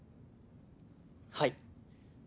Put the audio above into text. はい。